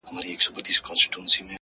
نیک چلند د دوستۍ فضا پیاوړې کوي.!